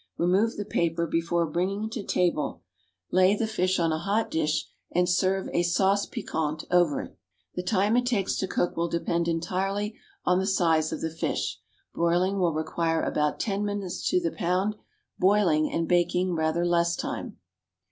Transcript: Remove the paper before bringing to table, lay the fish on a hot dish and serve a sauce piquante over it. The time it takes to cook will depend entirely on the size of the fish. Broiling will require about ten minutes to the pound; boiling and baking rather less time.